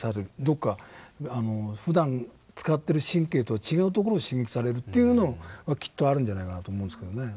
ふだん使ってる神経とは違う所を刺激されるというのはきっとあるんじゃないかなと思うんですけどね。